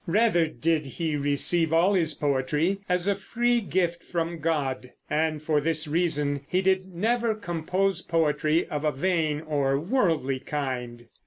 Rather did he receive all his poetry as a free gift from God, and for this reason he did never compose poetry of a vain or worldly kind.